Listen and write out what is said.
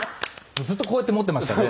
ずっとこうやって持ってましたね。